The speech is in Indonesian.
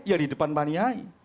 ya di depan paniai